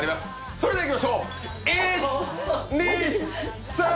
それではいきましょう１２３